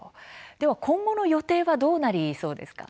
今後の予定はどうなりそうですか。